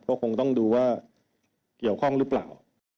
ก็คงต้องดูว่าเกี่ยวข้องหรือเปล่า